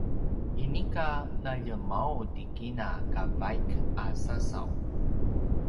inika naljemaung ti kina ka vaik a sasaw